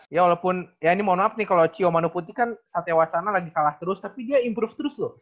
ya walaupun ya ini mohon maaf nih kalau cio manoputi kan satya wacana lagi kalah terus tapi dia improve terus loh